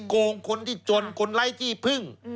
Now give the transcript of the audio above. โกงคนที่จนคนไร้ที่พึ่ง